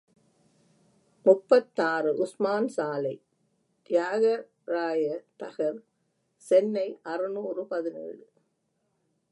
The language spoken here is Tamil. முப்பத்தாறு, உஸ்மான் சாலை, தியாகராய தகர், சென்னை அறுநூறு பதினேழு .